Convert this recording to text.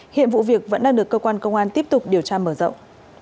hiện vụ việc vẫn đang được cơ quan công an tiếp tục điều tra mở rộng